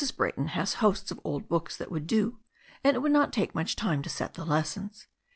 Brayton has hosts of old books that would do, and it would not take much time to set the lessons.